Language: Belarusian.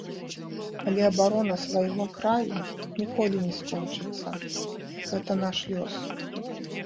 Але абарона свайго краю ніколі не скончыцца, гэта наш лёс.